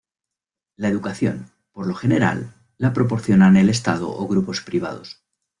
La educación, por lo general, la proporcionan el Estado o grupos privados.